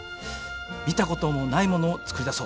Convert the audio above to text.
見たこともないものを作り出そう。